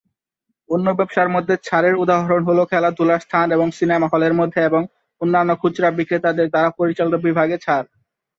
অন্য ব্যবসার মধ্যে ছাড়ের উদাহরণ হল খেলাধুলার স্থান এবং সিনেমা হলের মধ্যে এবং অন্যান্য খুচরা বিক্রেতাদের দ্বারা পরিচালিত বিভাগে ছাড়।